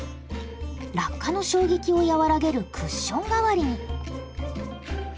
落下の衝撃を和らげるクッション代わりに。